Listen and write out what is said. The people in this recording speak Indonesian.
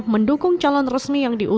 mendukung calon resmi yang diusung